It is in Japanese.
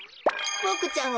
ボクちゃん